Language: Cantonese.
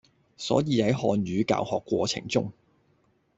所以，喺漢語教學過程中